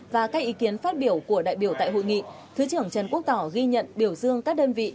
và các ý kiến phát biểu của đại biểu tại hội nghị thứ trưởng trần quốc tỏ ghi nhận biểu dương các đơn vị